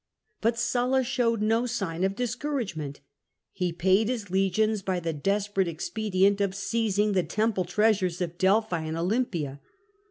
But Sulla showed no sign of discouragement. He paid his legions by the desperate expedient of seizing the temple treasures of Delphi and Olympia.